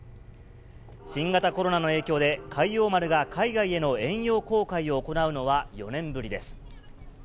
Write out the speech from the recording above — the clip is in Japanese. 新型コロナの影響で、海王丸が海外への遠洋航海を行うのは４年ぶりです。